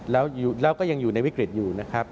แล้วก็ยังอยู่ในวิกฤตอยู่นะครับ